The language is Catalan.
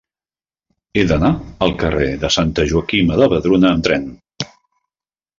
He d'anar al carrer de Santa Joaquima de Vedruna amb tren.